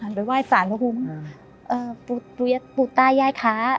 ในว่ายศาลเอาคุณ